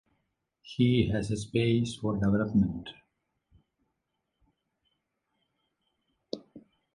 he has a space for development.